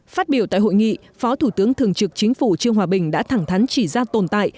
phát biểu tại hội nghị phó thủ tướng thường trực chính phủ trương hòa bình đã thẳng thắn chỉ ra tồn tại